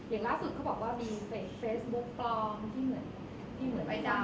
เห็นล่าสุดเขาบอกว่ามีเฟซบุ๊กปลอมที่เหมือนไอจ้า